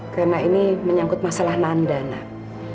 karena ini menyangkut masalah nanda nak